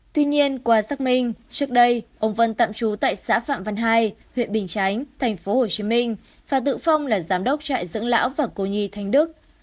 tuy nhiên qua xác minh trước đây ông vân tạm trú tại xã phạm văn hai huyện bình chánh tp hcm và tự phong là giám đốc trại dưỡng lão và cô nhi thanh đức